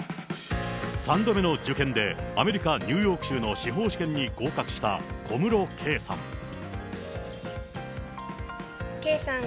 ３度目の受験で、アメリカ・ニューヨーク州の司法試験に合格した小室圭さん。